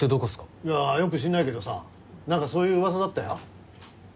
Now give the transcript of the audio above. いやよく知んないけどさ何かそういううわさだったよ。